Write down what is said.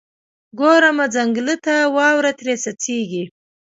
ګورمه ځنګله ته، واوره ترې څڅیږي